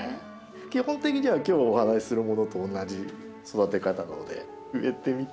基本的には今日お話しするものと同じ育て方なので植えてみてください。